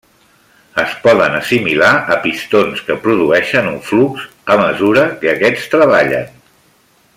Es poden assimilar a pistons que produeixen un flux a mesura que aquests treballen.